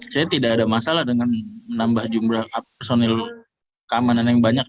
saya tidak ada masalah dengan menambah jumlah personil keamanan yang banyak